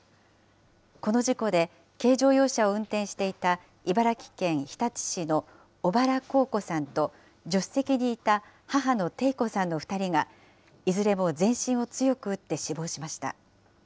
この事故で軽乗用車を運転していた茨城県日立市の小原幸子さんと、助手席にいた母のテイ子さんの２人がいずれも全身を強く打って死亡しました。